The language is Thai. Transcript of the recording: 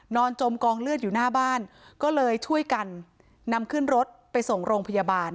จมกองเลือดอยู่หน้าบ้านก็เลยช่วยกันนำขึ้นรถไปส่งโรงพยาบาล